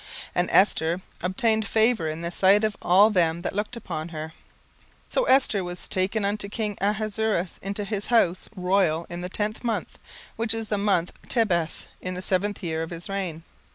And Esther obtained favour in the sight of all them that looked upon her. 17:002:016 So Esther was taken unto king Ahasuerus into his house royal in the tenth month, which is the month Tebeth, in the seventh year of his reign.